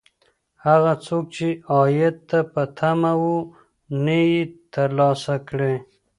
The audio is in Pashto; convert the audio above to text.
هغه څوک چې عاید ته په تمه و، نه یې دی ترلاسه کړی.